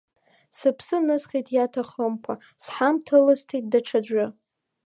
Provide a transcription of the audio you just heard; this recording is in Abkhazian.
Сыԥсы нысхит иаҭахымкәа, сҳамҭа лысҭеит даҽаӡәы.